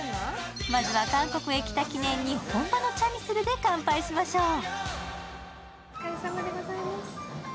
まずは韓国へ来た記念に本場のチャミスルで完敗しましょう。